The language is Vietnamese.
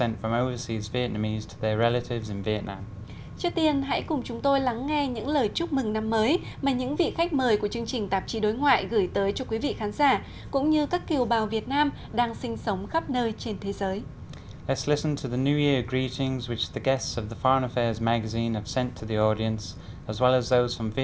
trước tiên hãy cùng chúng tôi lắng nghe những lời chúc mừng năm mới mà những vị khách mời của chương trình tạp chí đối ngoại gửi tới cho quý vị khán giả cũng như các kiều bào việt nam đang sinh sống khắp nơi trên thế giới